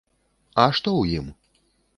А што ў ім?